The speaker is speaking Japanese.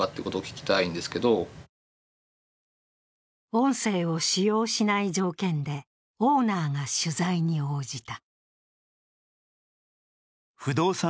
音声を使用しない条件でオーナーが取材に応じた。